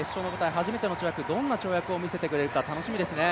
初めての跳躍、どんな跳躍を見せてくれるか楽しみですね。